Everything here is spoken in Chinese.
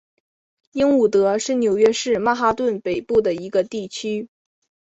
英伍德是纽约市曼哈顿北部的一个地区。